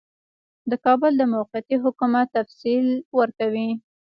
د کابل د موقتي حکومت تفصیل ورکوي.